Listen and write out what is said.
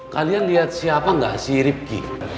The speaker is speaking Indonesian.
kalian lihat siapa gak si rifqi